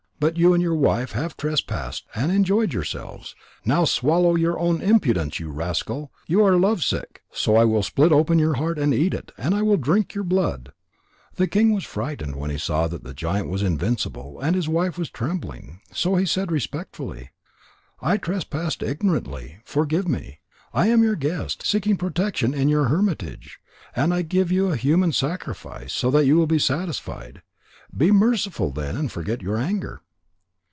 But you and your wife have trespassed and enjoyed yourselves. Now swallow your own impudence, you rascal! You are lovesick, so I will split open your heart and eat it, and I will drink your blood." The king was frightened when he saw that the giant was invincible, and his wife was trembling, so he said respectfully: "I trespassed ignorantly. Forgive me. I am your guest, seeking protection in your hermitage. And I will give you a human sacrifice, so that you will be satisfied. Be merciful then and forget your anger."